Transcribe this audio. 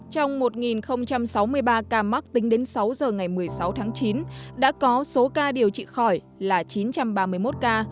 trong một sáu mươi ba ca mắc tính đến sáu giờ ngày một mươi sáu tháng chín đã có số ca điều trị khỏi là chín trăm ba mươi một ca